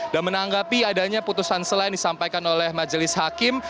dan menanggapi adanya putusan selain disampaikan oleh majelis hakim